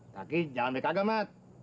tapi jangan baik agak mat